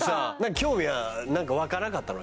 興味はわかなかったの？